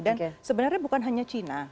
dan sebenarnya bukan hanya cina